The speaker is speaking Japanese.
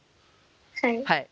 はい。